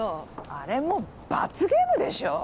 あれもう罰ゲームでしょ。